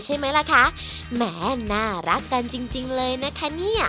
ใช่มั้ยล่ะคะแหม่น่ารักกันจริงเลยนะคนี่